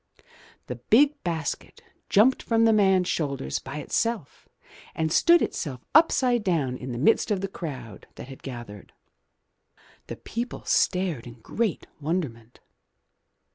The big basket jumped from the man's shoulders by itself and stood itself upside down in the midst of the crowd that had gathered. The people stared in great wonderment.